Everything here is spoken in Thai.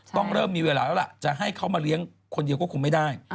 ต้องเริ่มมีเวลาแล้วล่ะจะให้เขามาเลี้ยงคนเดียวก็คงไม่ได้